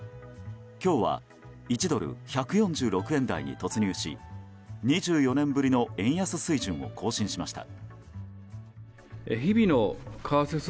今日は１ドル＝１４６円台に突入し２４年ぶりの円安水準を更新しました。